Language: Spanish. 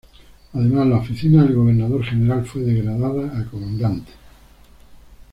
Además, la oficina del gobernador-general fue degradada a comandante.